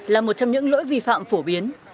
là một trong những lỗi vi phạm phổ biến